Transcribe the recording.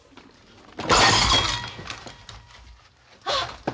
あっ！